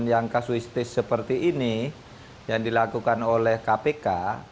yang kasuistis seperti ini yang dilakukan oleh kpk